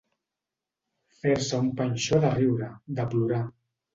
Fer-se un panxó de riure, de plorar.